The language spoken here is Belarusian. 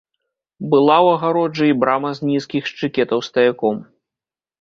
Была ў агароджы і брама з нізкіх шчыкетаў стаяком.